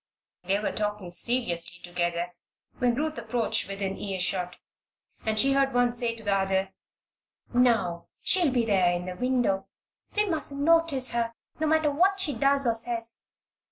They were talking seriously together when Ruth approached within earshot, and she heard one say to the other: "Now, she'll be there in the window. We mustn't notice her, no matter what she does or says.